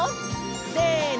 せの！